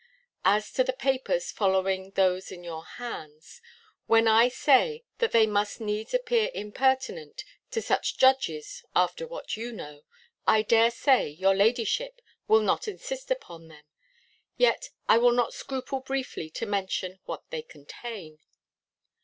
As to the papers following those in your hands, when I say, that they must needs appear impertinent to such judges, after what you know, I dare say, your ladyship will not insist upon them: yet I will not scruple briefly to mention what they contain.